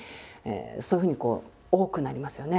そういうふうにこう多くなりますよね。